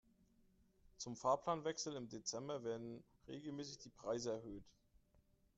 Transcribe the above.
Zum Fahrplanwechsel im Dezember werden regelmäßig die Preise erhöht.